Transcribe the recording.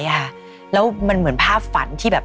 แล้วมันเหมือนภาพฝันที่แบบ